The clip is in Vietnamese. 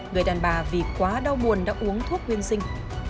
người đàn bà vì quá đau buồn đã uống thuốc nguyên sinh